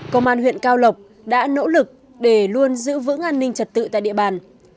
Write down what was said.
công an huyện cao lộc đã nỗ lực để luôn giữ vững an ninh trật tự tại địa bàn